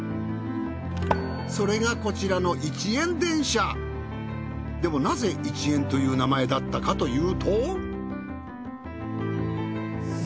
それがこちらのでもなぜ一円という名前だったかというと。